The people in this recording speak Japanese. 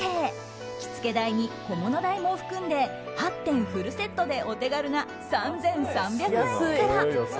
着付け代に小物代も含んで８点フルセットでお手軽な３３００円から。